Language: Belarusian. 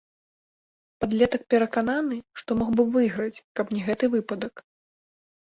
Падлетак перакананы, што мог бы выйграць, калі б не гэты выпадак.